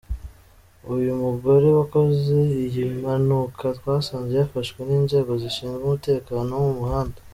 Uyu mugore wakoze iyi mpanuka twasanze yafashwe n'inzego zishinzwe umutekano wo mu muhanda.